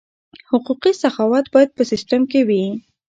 حقوقي سخاوت باید په سیستم کې وي.